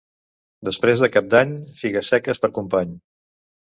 Després de Cap d'Any, figues seques per company.